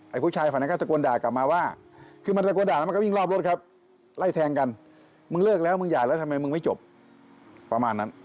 ทีมข่าวเราไปบ้านเช่าหลังเกิดเหตุนั้นแหละ